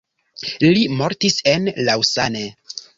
Li mortis en Lausanne.